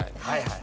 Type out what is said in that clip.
はい。